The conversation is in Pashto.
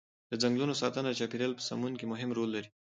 د ځنګلونو ساتنه د چاپیریال په سمون کې مهم رول لري.